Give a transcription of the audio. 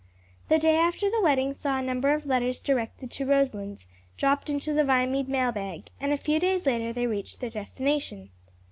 The day after the wedding saw a number of letters directed to Roselands, dropped into the Viamede mail bag, and a few days later they reached their destination.